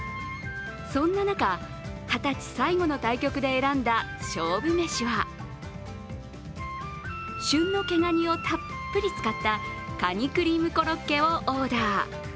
そんな中、二十歳最後の対局で選んだ勝負めしは旬の毛ガニをたっぷり使ったカニクリームコロッケをオーダー。